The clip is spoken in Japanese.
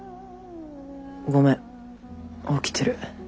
ごめん起きてる。